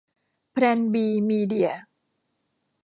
แพลน บี มีเดีย